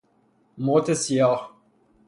موت سیاه